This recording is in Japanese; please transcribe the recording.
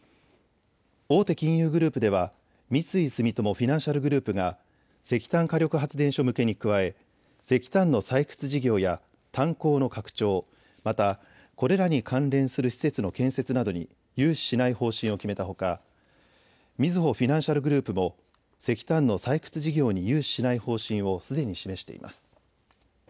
大手金融グループでは三井住友フィナンシャルグループが石炭火力発電所向けに加え石炭の採掘事業や炭鉱の拡張、またこれらに関連する施設の建設などに融資しない方針を決めたほかみずほフィナンシャルグループも石炭の採掘事業に融資しない方針をすでに示しています。